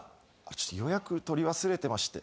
ちょっと予約取り忘れてまして。